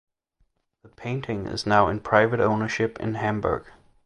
The painting is now in private ownership in Hamburg.